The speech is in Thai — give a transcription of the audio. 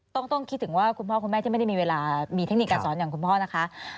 ต้องคิดถึงว่าคุณพ่อคุณแม่ที่ไม่ได้มีเวลามีเทคนิคการสอนอย่างคุณพ่อนะคะ